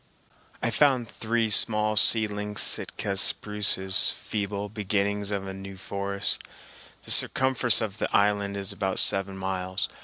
I found three small seedling Sitka spruces, feeble beginnings of a new forest. The circumference of the island is about seven miles.